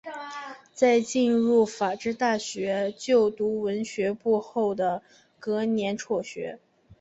在进入法政大学就读文学部后的隔年辍学。